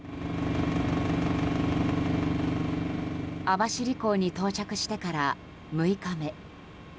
網走港に到着してから６日目。